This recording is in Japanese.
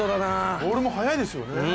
ボールも速いですよね。